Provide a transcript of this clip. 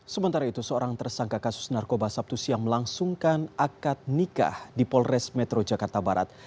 sementara itu seorang tersangka kasus narkoba sabtu siang melangsungkan akad nikah di polres metro jakarta barat